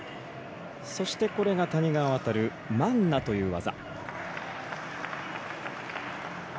そして、これが谷川航マンナという技。